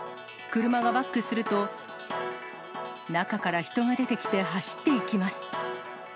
車がバックすると、中から人が出てきて、走っていきます。